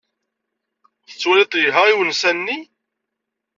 Tettwalid-t yelha i unsa-nni?